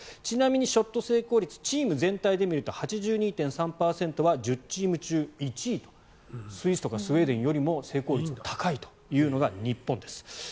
ちなみにショット成功率チーム全体で見ると８２．３％は１０チーム中１位とスイスとかスウェーデンよりも成功率が高いというのが日本です。